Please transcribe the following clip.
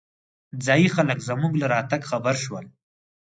ځايي خلک زمونږ له راتګ خبر شول.